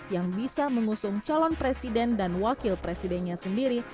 yang bisa mengusung calon presiden dan wakil presidennya sendiri